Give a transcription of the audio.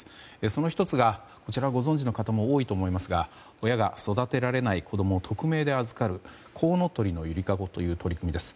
その１つが、こちらご存じの方も多いと思いますが親が育てられない子供を匿名で預かるこうのとりのゆりかごという取り組みです。